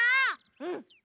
うん！